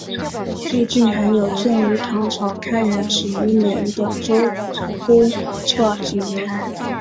附近还有建于唐朝开元十一年的周公测景台。